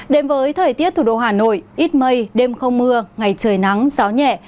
đến với thời tiết thủ đô hà nội ít mây đêm không mưa ngày trời nắng gió nhẹ